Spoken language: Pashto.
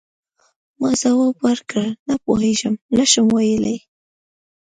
ما ځواب ورکړ: نه پوهیږم، نه شم ویلای.